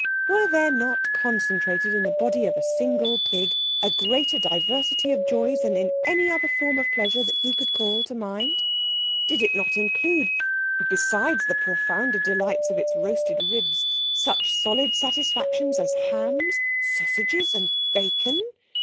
Were there not concentrated in the body of a single pig a greater diversity of joys than in any other form of pleasure that he could call to mind? Did it not include, besides the profounder delights of its roasted ribs, such solid satisfactions as hams, sausages, and bacon?